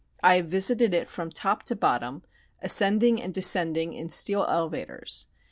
I have visited it from top to bottom, ascending and descending in steel elevators.